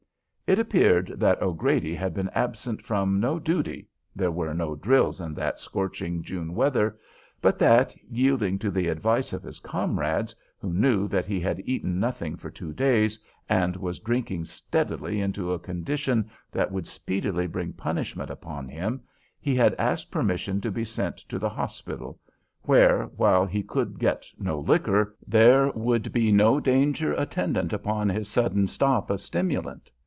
It appeared that O'Grady had been absent from no duty (there were no drills in that scorching June weather), but that, yielding to the advice of his comrades, who knew that he had eaten nothing for two days and was drinking steadily into a condition that would speedily bring punishment upon him, he had asked permission to be sent to the hospital, where, while he could get no liquor, there would be no danger attendant upon his sudden stop of all stimulant.